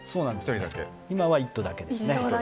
今は１頭だけです。